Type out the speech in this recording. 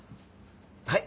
はい？